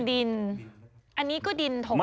ดินอันนี้ก็ดิน๖หนึ่งค่ะ